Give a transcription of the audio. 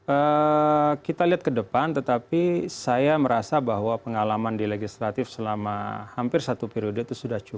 eee kita lihat ke depan tetapi saya merasa bahwa pengalaman di legislatif selama hampir satu periode itu sudah cukup